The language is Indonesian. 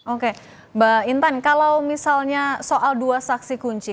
oke mbak intan kalau misalnya soal dua saksi kunci